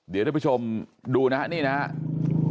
เดี๋ยวท่านผู้ชมดูนะครับนี่นะครับ